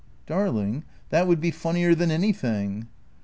"Darling — that would be funnier than anything."